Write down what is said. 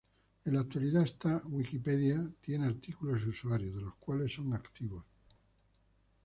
En la actualidad, esta Wikipedia tiene artículos y usuarios, de los cuales son activos.